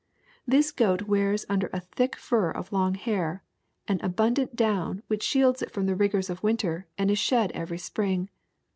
This goat wears, under a thick fur of long hair, an abundant down which shields it from the rigors of winter and is shed every spring.